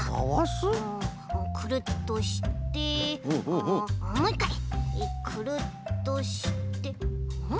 くるっとしてもういっかいくるっとしてん？